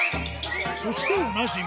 そしておなじみ